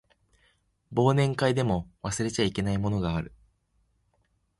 忘年会でも忘れちゃいけないものがある